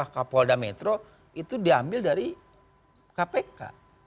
kapolda metro itu diambil dari kpk